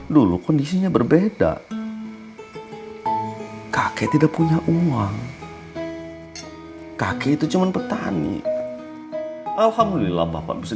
dulu kondisinya berbeda kakek tidak punya uang kaki itu cuma petani alhamdulillah bapak bisa